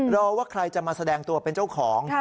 รอว่าใครจะมาแสดงตัวเป็นเจ้าของ